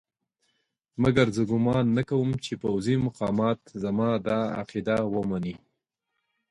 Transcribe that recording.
مګر زه ګومان نه کوم چې پوځي مقامات زما دا عقیده ومني.